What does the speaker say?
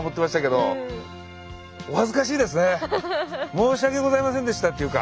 申し訳ございませんでしたっていうか。